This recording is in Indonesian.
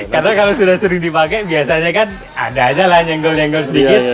karena kalau sudah sering dipakai biasanya kan ada aja nyenggol nyenggol sedikit